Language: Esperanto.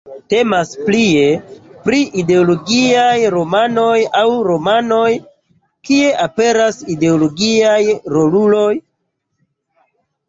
Temas plie pri ideologiaj romanoj aŭ romanoj, kie aperas ideologiaj roluloj.